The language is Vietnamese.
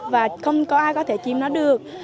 và không có ai có thể chìm nó được